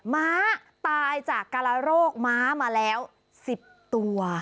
ม้าตายจากการโรคม้ามาแล้ว๑๐ตัว